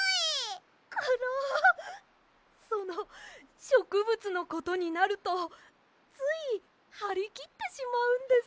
そのしょくぶつのことになるとついはりきってしまうんです。